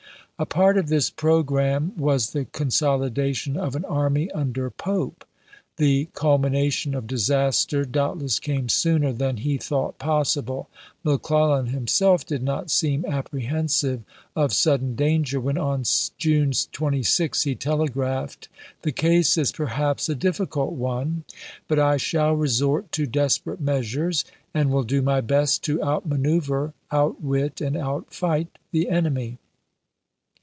A part of this programme was the consolidation of an army under Pope. The culmination of disaster doubtless came sooner than he thought possible. McClellan himself did not seem apprehensive of sudden danger when on June 26 he telegraphed :" The case is perhaps a difficult one, but I shall resort to desperate meas ures, and will do my best to outmanoeuver, outwit, and outfight the enemy.